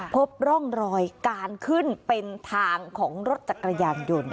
พบร่องรอยการขึ้นเป็นทางของรถจักรยานยนต์